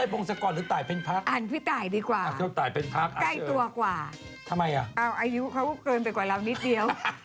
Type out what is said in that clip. ไม่ต้องช่วงหน้ามาดูหุ่นพี่ตายเดี๋ยวถ้าเล่าเรื่องพี่ตายช่วงหน้า